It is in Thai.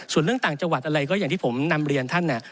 ส่วนเรื่องต่างจังหวัดอะไรก็อย่างที่ผมนำเรียนท่าน